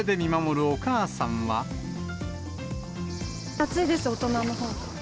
暑いです、大人のほうが。